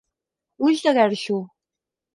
Ulls de guerxo.